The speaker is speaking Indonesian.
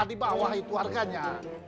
di bawah itu harganya